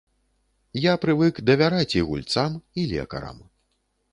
Я прывык давяраць і гульцам, і лекарам.